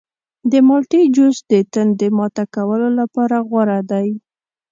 د مالټې جوس د تندې ماته کولو لپاره غوره دی.